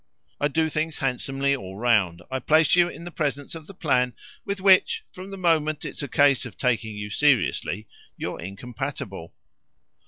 I do things handsomely all round I place you in the presence of the plan with which, from the moment it's a case of taking you seriously, you're incompatible.